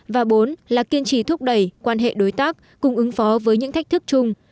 và bốn là kiên trì thúc đẩy quan hệ đối tác cùng ứng phó với những thách thức chung